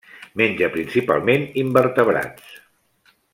Menja principalment invertebrats.